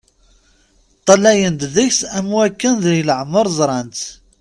Ṭṭalayen-d deg-s am wakken deg leɛmer ẓran-tt.